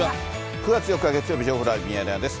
９月４日月曜日、情報ライブミヤネ屋です。